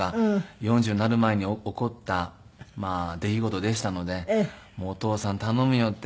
４０になる前に起こった出来事でしたのでお父さん頼むよって。